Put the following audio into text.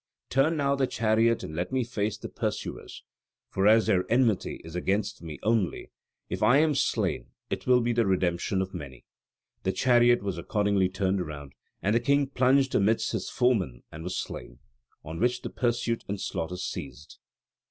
Turn now the chariot and let me face the pursuers; for as their enmity is against me only, if I am slain it will be the redemption of many." The chariot was accordingly turned round, and the king plunged amidst his foemen and was slain; on which the pursuit and slaughter ceased.